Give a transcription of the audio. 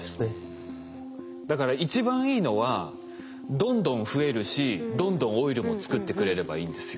だから一番いいのはどんどん増えるしどんどんオイルも作ってくれればいいんですよ。